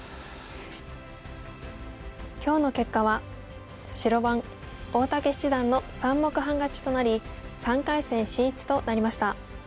今日の結果は白番大竹七段の３目半勝ちとなり３回戦進出となりました。